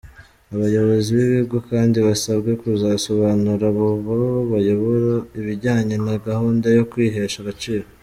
Abayobozi b’ibigo kandi basabwe kuzasobanurira abo bayobora ibijyanye na gahunda yo kwihesha agaciro.